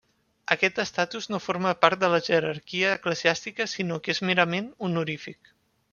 Aquest estatus no forma part de la jerarquia eclesiàstica sinó que és merament honorífic.